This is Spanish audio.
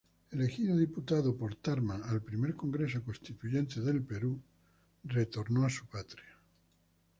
Elegido diputado por Tarma al primer Congreso Constituyente del Perú, retornó a su patria.